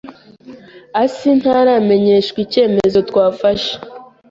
asi ntaramenyeshwa icyemezo twafashe.